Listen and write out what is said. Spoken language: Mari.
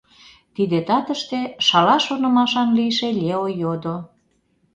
Тиде татыште шала шонымашан лийше Лео йодо,: